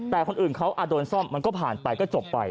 แต่คนอื่นเขาโดนซ่อมมันก็ผ่านไปก็จบไป